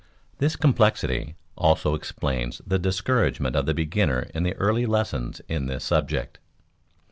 This complexity also explains the discouragement of the beginner in the early lessons in this subject.